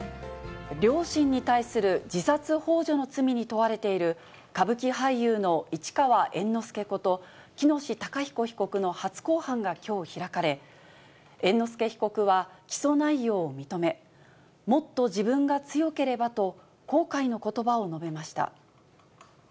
両親に対する自殺ほう助の罪に問われている、歌舞伎俳優の市川猿之助こと喜熨斗孝彦被告の初公判がきょう開かれ、猿之助被告は起訴内容を認め、もっと自分が強ければと、後悔のことばを述べました。